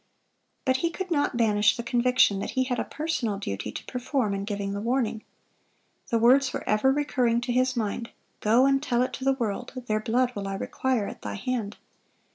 But he could not banish the conviction that he had a personal duty to perform in giving the warning. The words were ever recurring to his mind, "Go and tell it to the world; their blood will I require at thy hand."